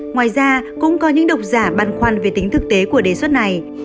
ngoài ra cũng có những độc giả băn khoăn về tính thực tế của đề xuất này